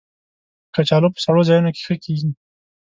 کچالو په سړو ځایونو کې ښه کېږي